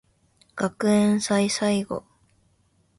学園祭最後